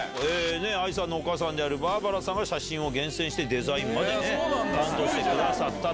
ＡＩさんのお母さんであるバーバラさんが写真を厳選してデザインまで担当してくださった。